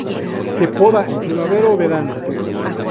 Se poda en primavera o verano.